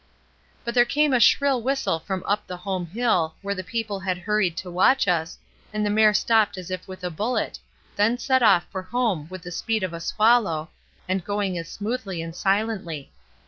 But there came a shrill whistle from up the home hill, where the people had hurried to watch us, and the mare stopped as if with a bullet, then set off for home with the speed of a swallow, and going as smoothly and silently.